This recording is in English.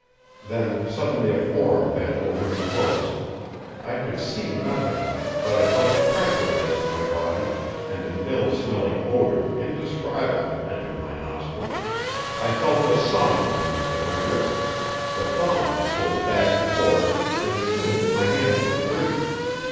Then suddenly a form bent over me close; I could see nothing, but I felt a pressure against my body and an ill smelling odor, indescribable, entered my nostrils. I felt a sawing movement at my wrists; the thongs pulled back and forth, and soon my hands were free.